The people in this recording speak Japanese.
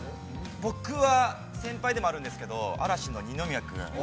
◆僕は先輩でもあるんですけれども、嵐の二宮君。